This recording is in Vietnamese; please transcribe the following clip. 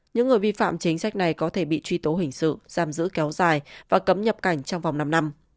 những người vi phạm chính sách này có thể bị truy tố hình sự giam giữ kéo dài và cấm nhập cảnh trong vòng năm năm